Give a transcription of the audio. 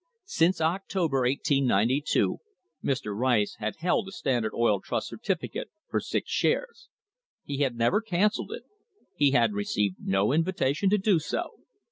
Since October, 1892, Mr. Rice had held a Standard Oil Trust certificate for six shares. He had never cancelled it. He had received no invitation to do so.